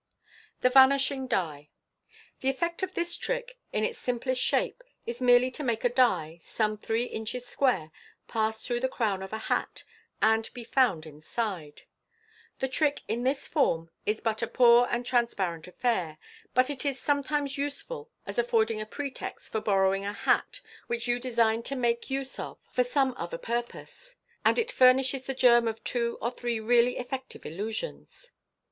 The Vanishing Dib. — The effect of this trick, in its simplest shape, is merely to make a die, some three inches square, pass through the crown of a hat, and be found inside The trick in this form is but a poor and transparent affair, but it is sometimes useful as afford ing a pretext for borrowing a hat which you design to make use of 4?o MODERN MA G/C. for some other purpose ; and it furnishes the germ of two or three really effective illusions.